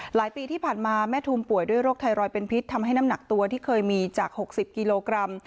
หลายปีที่ผ่านมาแม่ทูมป่วยด้วยโรคไทรอยด์เป็นพิษทำให้น้ำหนักตัวที่เคยมีจาก๖๐กิโลกรัม